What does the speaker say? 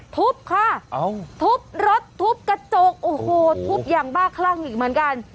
ทุบค่ะทุบรถทุบกระจกโอ้โหทุบอย่างบ้าคลั่งอีกเหมือนกัน